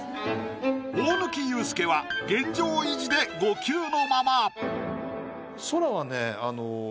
大貫勇輔は現状維持で５級のまま。